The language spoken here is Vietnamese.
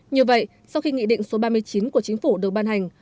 như vậy sau khi nghị định số ba mươi chín của chính phủ được ban hành